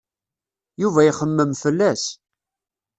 Yuba ixemmem fell-as.